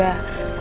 salam buat mama ya